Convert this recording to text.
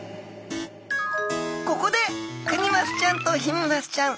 ここでクニマスちゃんとヒメマスちゃん